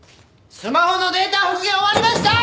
スマホのデータ復元終わりました！！